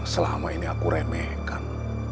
selama ini aku remehkan